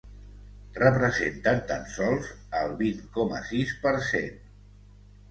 Representen tan sols el vint coma sis per cent.